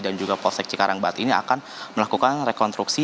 dan juga polsek cikarang bat ini akan melakukan rekonstruksi